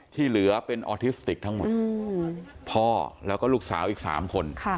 ที่เหลือเป็นออทิสติกทั้งหมดพ่อแล้วก็ลูกสาวอีก๓คน